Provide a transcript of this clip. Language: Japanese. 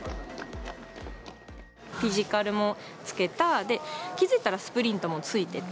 フィジカルもつけた気づいたらスプリントもついてた。